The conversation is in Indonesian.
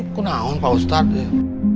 aku tau pak ustadz